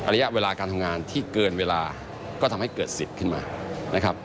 ระยะเวลาการทำงานที่เกินเวลาก็ทำให้เกิดสิทธิ์ขึ้นมานะครับ